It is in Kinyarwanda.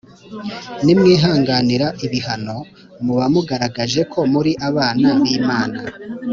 Ni mwihanganira ibihano, muba mugaragaje ko muri abana b'Imana.